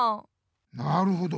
なるほど。